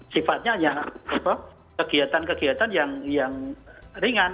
sifatnya hanya kegiatan kegiatan yang ringan